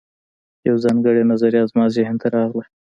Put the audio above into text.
یوه ځانګړې نظریه زما ذهن ته راغله